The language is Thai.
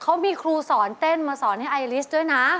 เขามีครูสอนเต้นมาสอนให้ไอลิสด้วยนะ